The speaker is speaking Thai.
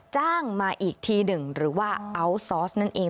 จ้างมาอีกทีหนึ่งหรือว่าอัลซอสนั่นเอง